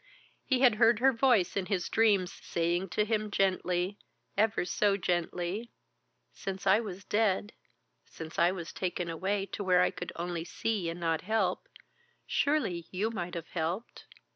He had heard her voice in his dreams saying to him gently, ever so gently: "Since I was dead, since I was taken away to where I could only see and not help, surely you might have helped.